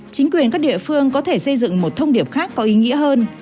chính quyền các địa phương có thể xây dựng một thông điệp khác có ý nghĩa hơn